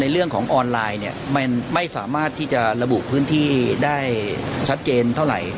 เรื่องของออนไลน์เนี่ยมันไม่สามารถที่จะระบุพื้นที่ได้ชัดเจนเท่าไหร่